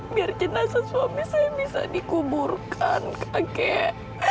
biar jenazah suami saya bisa dikuburkan kakek